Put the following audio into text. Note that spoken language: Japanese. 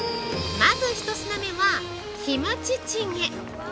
まず、１品目はキムチチゲ！